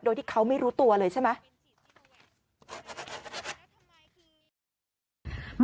โดยที่เขาไม่รู้ตัวเลยใช่ไหม